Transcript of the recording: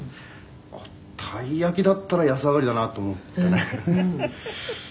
「あったい焼きだったら安上がりだなと思ってねで